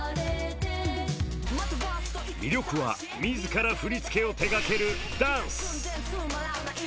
魅力は、みずから振り付けを手がける、ダンス。